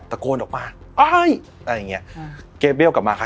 ตะโกนออกมาอะไรอย่างเงี้ยเกมเบลกลับมาค่ะ